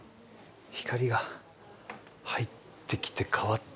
光が入ってきて変わった。